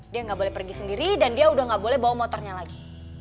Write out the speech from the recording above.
dia nggak boleh pergi sendiri dan dia udah gak boleh bawa motornya lagi